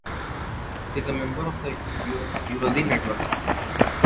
It is a member of the Eurozine network.